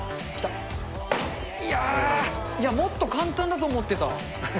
いやー、もっと簡単だと思ってた。